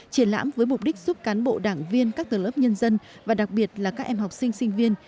triển lãm với mục đích giúp cán bộ đảng viên các tầng lớp nhân dân và đặc biệt là các em học sinh sinh viên